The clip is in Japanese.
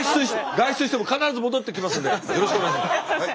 外出しても必ず戻ってきますんでよろしくお願いします。